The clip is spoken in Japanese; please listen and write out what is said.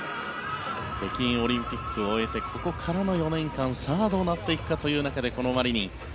北京オリンピックを終えてここからの４年間どうなっていくかという中でマリニン。